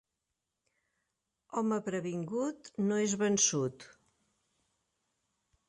Home previngut no és vençut.